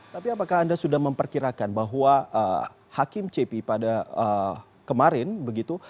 tapi apakah anda sudah memperkirakan bahwa hakim cepi pada kemarin begitu